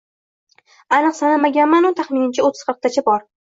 Aniq sanamaganman-u, taxminimcha o`ttiz-qirqtacha bor